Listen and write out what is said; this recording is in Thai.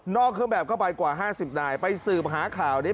เครื่องแบบเข้าไปกว่า๕๐นายไปสืบหาข่าวนี้